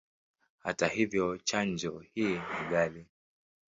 Hata hivyo, chanjo hii ni ghali.